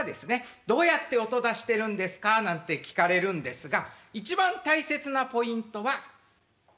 「どうやって音出してるんですか？」なんて聞かれるんですが一番大切なポイントは小指です。